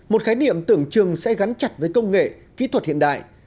một khái niệm tưởng chừng sẽ gắn chặt với công nghệ kỹ thuật hiện đại